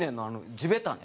地べたで。